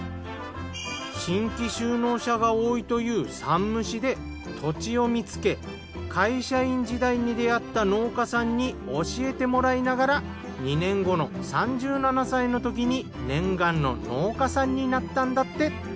新規就農者が多いという山武市で土地を見つけ会社員時代に出会った農家さんに教えてもらいながら２年後の３７歳の時に念願の農家さんになったんだって。